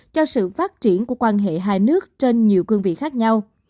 cho sự phát triển của quan hệ hai nước trên nhiều cương vị khác nhau